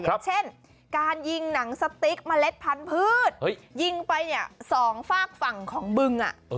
เช่นการยิงหนังสติ๊กเมล็ดพันธุ์ยิงไปเนี่ยสองฝากฝั่งของบึง